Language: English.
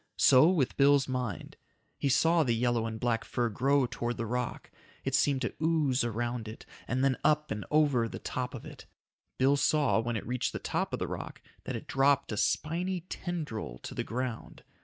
So with Bill's mind. He saw the yellow and black fur grow toward the rock. It seemed to ooze around it and then up and over the top of it. Bill saw, when it reached the top of the rock, that it dropped a spiny tendril to the ground.